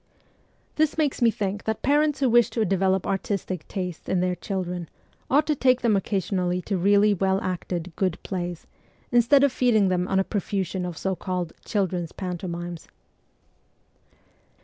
This makes me think that parents who wish to develop artistic taste in their children ought to take them occasionally to really well acted, good plays, instead of feeding them on a profusion of so called 'children's pantomimes.'